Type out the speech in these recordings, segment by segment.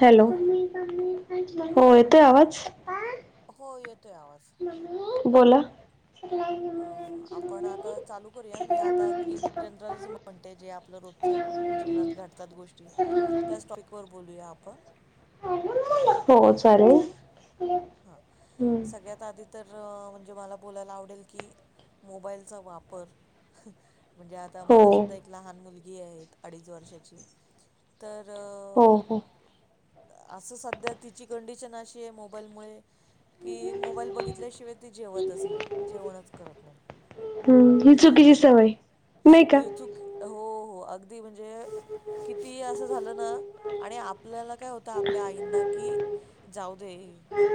Hello हो येतो आवाज. हो येतोय आवाज. बोला. अ आपण आता चालू करूया मी आता इन जनरल. ते म्हणजे जे आपलं रोजचं जीवनात घडतात गोष्टी त्याच. बोलूया आपण हो चालेल ठीक आहे. हा सगळ्यात आधी तर म्हणजे मला बोलायला आवडेल. की मोबाईलचा वापर म्हणजे आता हो मला सुद्धा एक. लहान मुलगी आहेत अडीच वर्षाची तर. हो हो असं सध्या तिची कंडिशन अशी आहे मोबाईलमुळे. कि मोबाईल बघितल्याशिवाय ती जेवतच नाही जेवणच. करत नाही हम् ही चुकीची सवय नाही का. चूक हो हो अगदी म्हणजे किती असं झालं ना आणि आप. आपल्याला काय होत आपल्या आईंना कि. जाऊ दे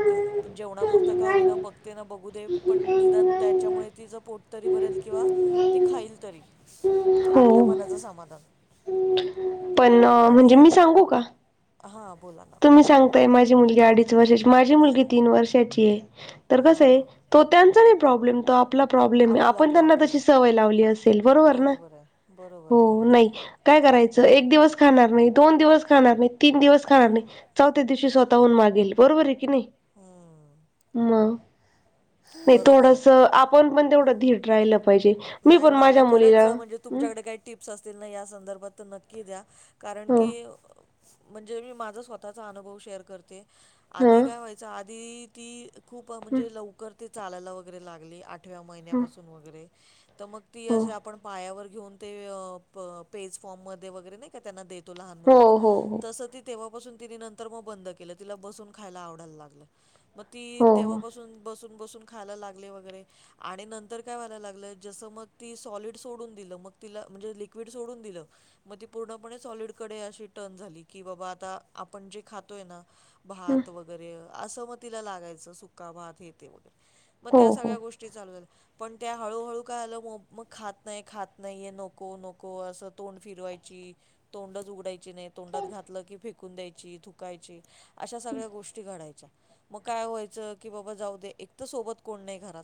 ते पण जेवणापुरतं का होईना बघते ना बघू दे पण निदान त्याच्यामुळे. तिच पोट! ! पोट तरी भरेल किंवा! ती खाईल तरी हो आपल्या मनाचं समाधान! पण अ! आणि म्हणजे मी सांगू का? हां बोला ना! तुी सांगताय माझी मुलगी, अडीच वर्षाची माझी मुलगी तीन वर्षाची आहे तर कसं हां आहे. हां तो त्यांचा नाही प्रॉब्लेम, तो आपला प्रॉब्लेम आहे. आपला आपण त्यांना प्रॉब्लेम तशी सवय लावली असेल बरोबर ना? बरोबर! ! हो! नाही? काय करायचं एक दिवस खाणार नाही, दोन दिवस खाणार नाही, तीन दिवस खाणार नाही. चौथ्या दिवशी स्वतःहून! मागेल बरोबर आहे! कीनाही? हम्म मग बरोबर आहे थोडंसं आपन मण तेवढं धीट राहिलं पाहिजे! ! नाही मला खरंच म्हणजे तुमच्याकडे काही टिप्स असतील ना? या संदर्भात तर नक्की द्या कारण हो की? म्हणजे मी माझा स्वतःचा अनुभव शेअर करते आधी ह काय व्हायच आधी ती खूप म्हणजे लवकर ते चालायला वगैरे लागले आठव्या महिन्यापासून वगैरे तर मग ती हो असे आपण पायावर घेऊन ते पेज फॉर्म मध्ये वगैरे नाही का त्यांना देत लहान मुलांना हो हो तस ते तेव्हापासून ति नंतर मग बंद केलं तिला बसून, खायला आवडायला लागल. मग ती हो हो हो तेव्हापासून बसून बसून खायला लागले, वगैरे आणि नंतर काय व्हायला लागल. जसं मग ती सॉलिड सोडून दिलं मग तिला म्हणजे, लिक्विड सोडून दिल. मग ती पूर्णपणे सॉलडकडे अशी टर्न झाली की बाबा आता आपण जे खातोय ना हम्म भात वगैरे असं मग तिला लागायचं सुका भात हे, ते वगैरे मग हो त्या हो सगळ्या गोष्टी पण त्या हळूहळू! ! त का आलं मग मग खात नाही! खात नाहीय नको! नको असं तोंड फिरवायची तोंडच उघडायची नाही तोंडात घातलं की! फेकून द्यायची थुकायची अशा सगळ्या गोष्टी घडायच्या! ! मग काय व्हायचं की बाबा जाऊ दे! एक तर सोबत कोण नाही घरात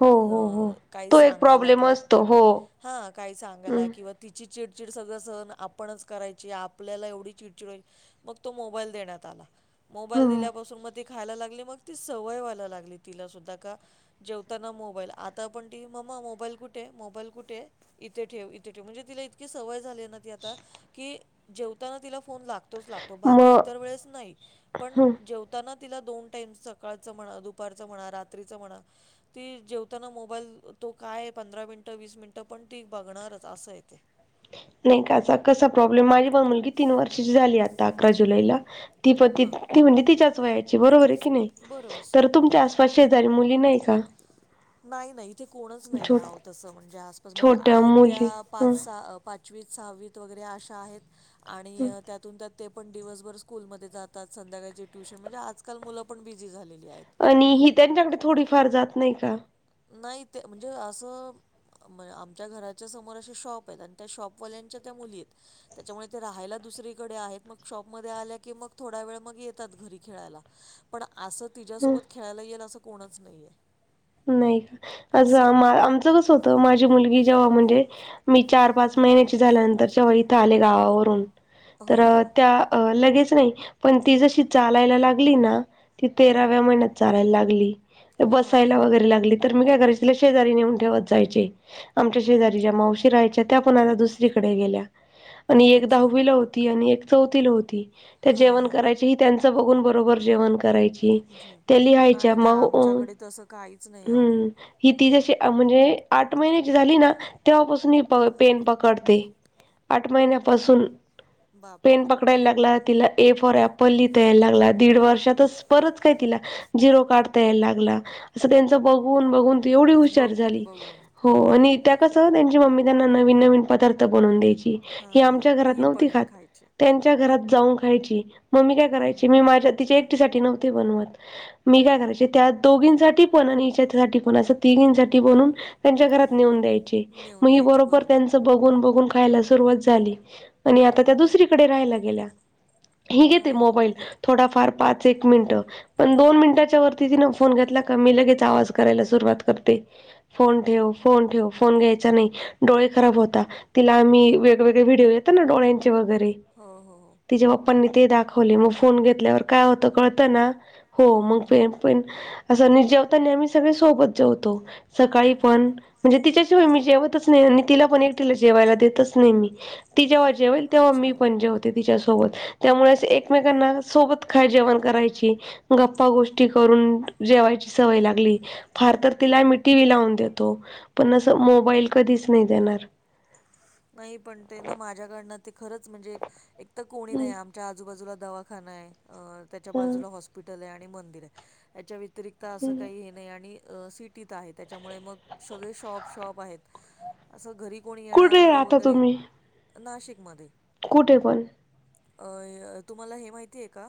हो हो हो काही तो एक सांगायला प्रॉब्लेम किंवा असतो करायला हो ह! काही सांगायला हम्म की? किंवा तिची चिडचिड सगळं सहन आपणच! करायची आपल्याला एवढी चिडचिड व्हायची मग तो मोबाल देण्यात आला, मोबाल हम्म दिल्यापून मग खायला लागली मग त सवय व्हाला लागली! तिला सुधा का जेवताना मोबाईल आता! मो कुठे मोबाईल कुठे! आहे इथ ठेव! इथे इतकी सवय झाली जेवताना तिला फोन ला तोच लागतो बाकी मग इतर वेळेस नाही? पण हम्म जेव तिला दोन टाईम सकाळचं म्हणा, दुपारचं म्हणा, रात्रीचं म्हणा ती जेवताना मोबाईल! बल तो काय पंधरा मिनिटं वीस, मिनिटं पण ती! बघणारच असं य तेे नाही काचा कसा प्रॉब्लेम माझी मुलगी तीन, वर्षाची झाली आता अकरा जुलैला ती प त हां ती म्हणजे तिच्याच व्हायची! बरोबर आहे. की नाही बरोबर तर सेम तुमच्या अस शेजारी मुली नाही का? नाही नाही इथे कोणच नाही छोट आहो तसं म्हणजे, आसपास म्हणजे छोट्या आहेत मुली त्या ह पाच पाच पंचवीस सहावीत वगैरे अशा आहेत आणि त्यातून त्यात ते पण दिवसभर स्कूलमध्ये जातात संध्याकाळचे, ट्यूशन म्हणजे आजकाल मुलं पण, बिझी झालेली आहेत. आणि ही त्यांच्याकडे थोडीफार जात नाही का? नाही ते म्हणजे असं? म आमच्या घराच्या समोर असे शॉप आहेत आणि त्या शॉपवाल्यांच्या त्या मुली आहेत त्याच्यामुळे ते राहायला दुसरीकडे आहेत मग शॉपमध्ये आल्या की मग थोडा वेळ मग येतात घरी खेळायला. पण असं ह तिच्यासोबत खेळायला येईल असं कोणच नाहीये नाही का असं आमचं कसं होतं माझी मुलगी जेव्हा म्हणजे मी चार पाच महिन्याची झाल्यानंतर जेव्हा इथं आले गावावरून तर हो, हो. त्या लगेच नाही पण ती जशी चालायला लागली ना ती तेराव्या महिन्यात चालायला लागली मग हां, बसायला लागली हां. लागली तर मी काय करायची तिला शेजारी नेऊन ठेवत जायचे. आमच्या शेजारी ज्या मावशी राहायच्या त्या पण आता दुसरीकडे गेल्या आणि एक अच्छा. दहावीला होती आणि एक चौथीला होती त्या हां, जेवण हां, हां. करायची त्यांचं बघून बरोबर जेवण करायची त्या लिहायच्या मग काय?? हम्म.. हि ती जशी म्हणजे आठ महिन्याची झाली ना तेव्हापासून ही पेन पकडते. आठ महिन्यापासून बापरे! पेन पक पकडायला लागला तिला ए फॉर ॲप्पल लिहता यायला लागला दीड वर्षातच परत काय तिला झिरो काढता यायला लागला असं त्याचं बघून बघून ती एवढी हुशार बघून, झाली बघून. हो हां, आणि त्या कस त्यांची मम्मी त्यांना नवीन नवीन पदार्थ बनवून द्यायची. ही हां, हां. आमच्या मग घरात ही न्हवती पण खात. खायची. त्यांच्या घरात जाऊन खायची म काय करायची मी माझ्या तिच्या एकटीसाठी नवती बनवत. मी हा. काय करायचे त्या दोघींसाठी पण आणि हीच्यासाठी पण असं तिघींसाठी बनून- त्यांच्या घरात नेऊन द्यायचे नेऊन मग ही द्यायची बरोबर त्यांच बघून बघून खायला सुरुवात झाली आणि आता हा त्या हा. दुसरीकडे राहायला गेल्या हि हा घेते हा. मोबाईल थोडाफार पाच एक मिनिट पण दोन मिनिटाच्या वरती तीन फोन घेतला- मी लगेच आवाज करायला सुरुवात करते फोन ठेव फोन ठेव फोन घ्यायचा नाही. डोळे खराब होता तिला आम्ही वेगवेगळे व्हिडिओ येतात ना डोळ्यांचे वगैरे. हो हो हो. तिच्या पप्पांनी ते दाखवले मग फोन घेतल्यावर काय होत कळतं ना हो मग पण असं आणि जेवताना आम्ही सगळे सोबत जेवतो सकाळी पण म्हणजे तिच्याशिवाय मी जेवतच नाही आणि तिला पण एकटिला जेवायला देत नाही देतच नाही मी ती जेव्हा जेवेल तेव्हा मी पण जेवते.. जेवते तिच्या सोबत त्यामुळे एकमेकांना सोबत- खा जेवण करायची गप्पा गोष्टी करून- जेवायची सवय लागली फार तर तिला मि- टी व्ही लावून देतो पण असं मोबाईल कधीच नाही देणार. नाही पण ते ना माझ्याकडनं ते खरंच म्हणजे एक तर कोणी नाही आमच्या आजूबाजूला दवा खाना आहे त्याच्या बाजूला हॉस्पिटल आणि मंदिर आहे त्याच्या व्यतिरिक् अस काही हे नाही आणि सिटीत आहे त्याच्यामुळे मग सगळे शॉप शॉप आहेत असं घरी कोणी येणार- कुठे आता तुम्ही नाशिकमध्ये कुठे पण? अ तुम्हाला हे माहितीय का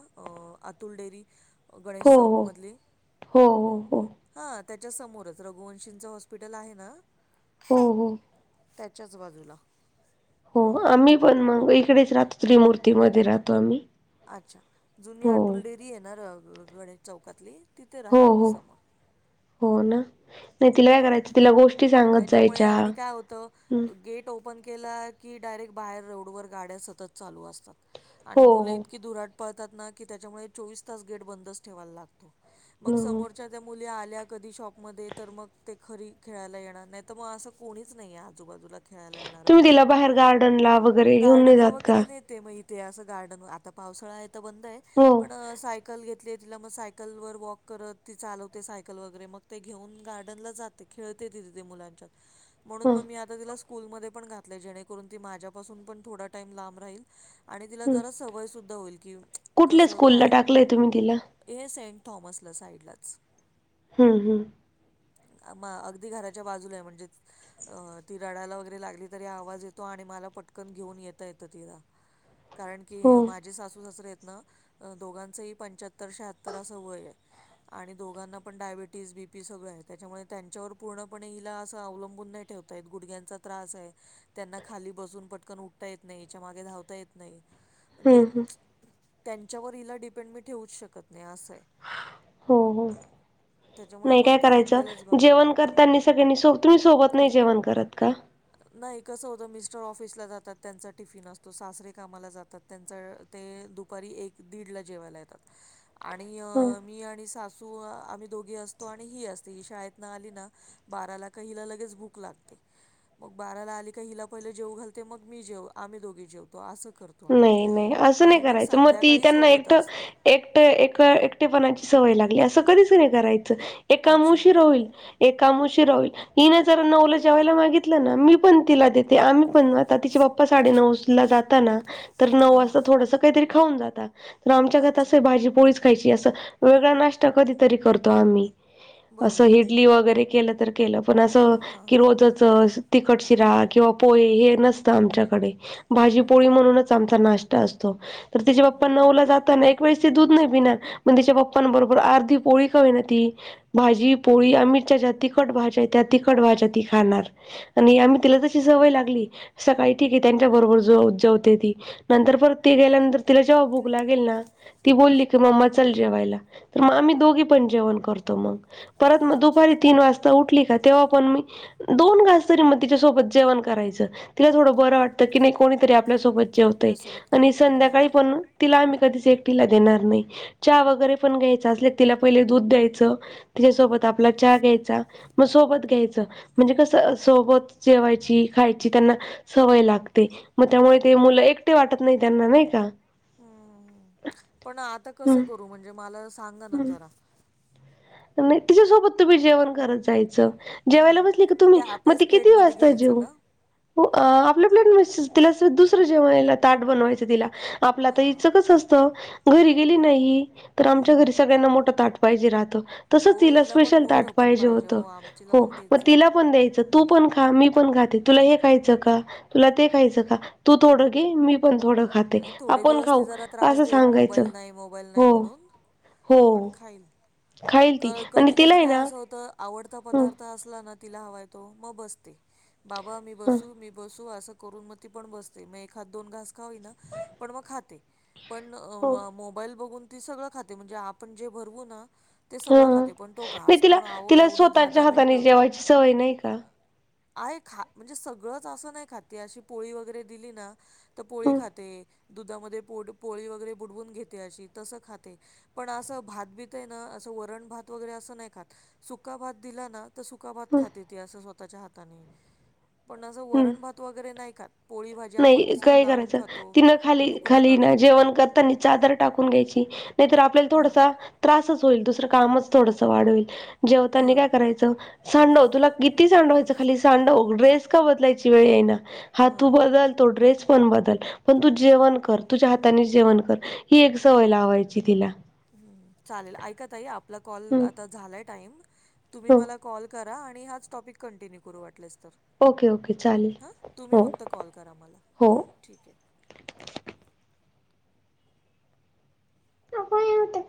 अतुल डेरी. गणेश हो चौकमधली? हो हो हो हो हा त्याच्या समोरच, रघुवंशींचं हॉस्पिटल आहे ना, हो हो. त्याच्याच बाजूला. हो आम्ही पण मग इकडेच राहतो, त्रिमूर्ती मध्ये राहतो आम्ही. अच्छा, जुनी हो अतुल डेअरी आहे ना गणेश चौकातली, तिथे हो राहते मी हो समोर. हो ना, नाही तिला काय करायचं- तिला गोष्टी सांगत त्याच्यामुळे जायच्या. आणि काय होतं गेट ओपन केला की डायरेक्ट बाहेर रोडवर गाड्या सतत चालू असतात. आणि हो मुलं हो इतकी धुराट पळतात ना की त्याच्यामुळे चोवीस तास गेट बंदच ठेवायला लागतो. मग हो समोरच्या त्या मुली आल्या कधी शॉपमध्ये तर मग ते घरी खेळायला येण- नाही मग असं कोणीच नाहीये आजूबाजूला. खेळाला येणार तुम्ही वगैरे. तिला बाहेर गार्डनला वगैरे घेऊन नाही गार्डनला जात का वगैरे ने- ते मग इथे असं गार्डन, आता पावसाळा आहे तर बंद आहे. हो. पण सायकल घेतली तिला मग सायकलवर वॉक करत ती चालवते सायकल वगैरे मग- ते घेऊन गार्डनला जाते खेळते तिथ ती मुलांच्यात म्हणून ह मग मी आ- तिला स्कूलमध्ये पण घातलय जेणेकरुन ती माझ्यापासून पण थोडा टाईम लाब राहील. आणि तिला हं जरा सवय सुद्धा होईल कि कुठल्या कसं स्कूलला खाय- टाकलंय तुम्ही तिला हे सेंट थॉमसला साईडलाच. हम् हम्म म अगदी घराच्या बाजूला आहे म्हणजे- अ ती रडायला वगैरे लागली तरी आवाज येतो आणि मला पटकन घेऊन येता येतं तिला. कारण की हो माझे सासू सासरे आहेत ना- दोघांचंही पंच्याहत्तर शहात्तर असं वय आहे. आणि दोघांना पण डायबिटीज, बी पी सगळं आहे त्याच्यामुळे त्यांच्यावर पूर्ण- पण हिला असं अवलंबून नाही ठेवता येत, गुडघ्यांचा त्रास आहे. त्यांना खाली बसून पटकन उठता येत नाही, हिच्या मागे धावता येत नाही. म्हणजे हम्म हम्म त्यांच्यावर हिला डिपेंड मी ठेवूच शकत नाही असं आहे. हो हो. त्याच्यामुळे नाही मग काय ते करायचं, आपल्यालाच बघायला जेवण लागतं करतानी- सगळ्यांनी सोबत, तुम्ही सोबत नाही जेवण करत का? नाही कस होतं मिस्टर ऑफिसला जातात त्यांचा टिफिन असतो, सासरे कामाला जातात. त्यांच ते दुपारी एक दीडला जेवायला येतात आणि अ ह मी आणि सास- सू आम्ही दोघी असतो आणि ही असते. हि शाळेतन आली ना बाराला का हिला लगेच भूक लागते. मग बाराला आली का हिला पहिले जेवू घालते मग मी जेव, आम्ही दोघे जेवतो असं करतो. आम्ही नाही नाही असं नाही आणि करायचं, मग ती संध्याकाळी त्यांना सोबत एकट असतो एक- एकवेळ एकटेपणाची सवय लागली असं कधीच नाही करायचं, एक काम अच्छा उशीरा होईल. एक काम उशीरा होईल, हिने जर नऊला जेवायला मागितलं ना, मी पण तिला देत- ते आम्ही पण म आता तिचे पप्पा साडेनऊला जाता ना, तर नऊ हां हां वाजता थोडस काहीतरी खाऊन जातात. आमच्या घरात अच्छा अस आहे भाजी पोळीच- पाहिजे असं. वेगळा नाष्टा कधीतरी करतो आम्ही, असं बरोबर आहे इडली वगैरे केलं तर- केलं, पण असं हा की हा. रोजच अस- तिखट शिरा किंवा पोहे हे नसतं आमच्याकडे. भाजी हम्म हम्म. पोळी म्हणून- च आमचा नाश्ता असतो. तर तिचे हम्म पप्पा हम्म. नऊला जाता ना, एक वेळेस ती दूध नाही पिणार- पण तिच्या पप्पांबरोबर अर्धी पोळी का होईना ती- भाजी पोळी आणि आमच्या ज्या तिखट भाज्या आहे त्या तिखट भाज्या ती खाणार. आणि आम्ही तिला तशी सवय लागली सकाळी ठीक आहे त्यांच्या बरोबर जो- जेवते ती. नंतर परत ते गेल्यानंतर तिला जेवा भुक लागेल ना. ती बोल्ली की, मम्मा चल जेवायला तर मग आम्ही दोघी पण जेवण करतो मग. परत जेवतो. मग अच्छा. दुपारी तीन वाजता उठली का तेव्हा पण मी दोन घास तरी मग तिच्यासोबत जेवण करायचं तिला थोडं बरं वाटतं की नाही कोणीतरी आपल्यासोब जेवतय आपल्यासोबत आणि खातं हां. संध्याकाळी पण तिला आम्ही कधीच एकटीला देणार नाही. चहा वगैरे पण घ्यायच असले तिला पहिले दूध द्यायचं, तिच्यासोबत आपला चहा घ्यायचा मग सोबत घ्यायचं. म्हणजे कसं सोबत जेवायची, खायची त्यांना सवय लागते मग त्यामुळे मुल एकटे वाटत नाही त्यांना नाही का [inaudible] हम्म तो म्हणजे मला सांगा ना हम्म जरा. नाही तिच्यासोबत तुम्ही जेवण करत जायचं. जेवायला हम्म बसली का म्हणजे तुम्ही, म आपल्याच ती किती प्लेटमध्ये वाजता घ्यायचं जेवू का? आपलं पल्या [unintelligible] तिला दुसरं जेव्हायला... ताट बनवायच तिला, आपल्या हां तर हां. इचकच असत घरी गेली नाही. तर हां आमच्या हां. घरी सगळ्यांना मोठं ताट पाहिजे राहतं. हो तसंच तिला हिला पण स्पेशल मोठं ताट पण पाहिजे होतं. हो आमचीला हो, पण मग तेच आहे. तिला पण द्यायचं तू पण खा मी पण खाते. तुला हे खायचं का? तुला ते खायचं का? तू थोडं घे मी पण थोडं. खाते नाही थोडे आपण दिवस ती खाऊ जरा त्रास असं देईल सांगायचं मोबाईल नाही, मोबाईल नाही हो म्हणून. हो पण खाईल खाईल ती क- आणि कधी तिला -कधी आहे काय ना असं होतं. आवडता हं पदार्थ असला ना तिला हवाय तो मग बसते. बाबा मी ह बसू? - मी बसू? तो असं करून मग ती पण बसते. मग एखात- दोन घास का होईना, पण मग खाते, पण हो मोबाईल बघून ती सगळ खाते म्हणजे आपण जे भरवू ना ते हा सगळं खाते, पण तो नाही घास तिला पण आवो तिला एवढं दहा- स्वतःच्या दहा हाताने मिनटं. जेवायची सवय नाही का आहे खा- म्हणजे सगळंच असं नाही खात ती. अशी पोळी वगैरे दिली ना तर पोळी ह खात दुधामध्ये पोड- पोळी वगैरे बुडवून घेते अशी तसं खाते. पण असं भात- बीत ये ना, असं वरण भात वगैरे असं नाही खात सुका भात दिला ना तर सुका भात ह खाते ती असं स्वतःच्या हातानी. पण असं हम्म वरण भात वगैरे नाही खात. पोळी भाजी आपण नाही कसं काय लावून करायचं खातो, तिनं खाली तुकडा खाली ना काढून. जेवण करतानी चादर टाकून घ्यायची नाहीतर आपल्याला हां. थोडसा, त्रासच होईल, दुसरं कामच थोडस वाढल. जेवतानी हां, काय करायचं, सांडव. तुला किती सांडवायचं खाली सांडव. ड्रेस का बदलायची वेळ येईना, हा तू हां. बदल तो ड्रेस पण बदल पण तू जेवण कर तुझ्या हातानी जेवण कर. ही एक सवय लावायची तिला. हम्म चालेल. ऐका ताई आपला कॉल हम्म आता झालाय टाईम तुम्ही हो मला कॉल करा आणि हाच टॉपिक कंटिन्यू करू वाटलेस तर. ओके ओके चालेल आ, तुम्ही हो फक्त कॉल करा मला हो ठीके. अ होयठ [inaudible]